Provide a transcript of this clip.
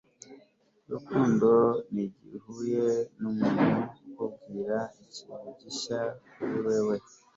urukundo ni igihe uhuye n'umuntu ukubwira ikintu gishya kuri wewe